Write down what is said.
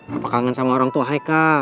apa kangen sama orang tua haika